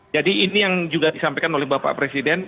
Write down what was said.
jadi ini yang juga disampaikan oleh bapak presiden